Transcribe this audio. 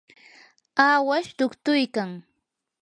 awash tuktuykan.